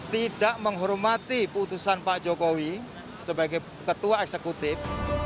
tidak menghormati putusan pak jokowi sebagai ketua eksekutif